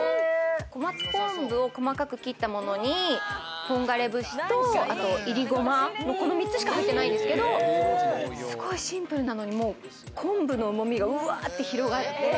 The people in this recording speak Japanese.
小松こんぶを細かく切ったものに、本枯節といりごま、この３つしか入ってないんですけれど、すごいシンプルなのに昆布のうまみがうわって広がる。